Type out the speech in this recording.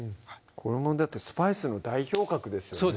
これもスパイスの代表格ですよね